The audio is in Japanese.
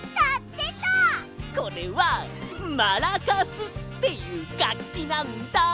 これはマラカスっていうがっきなんだ！